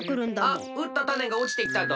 あっうったタネがおちてきたど。